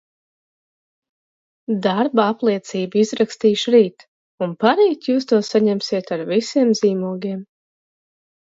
Darba apliecību izrakstīšu rīt un parīt jūs to saņemsiet ar visiem zīmogiem.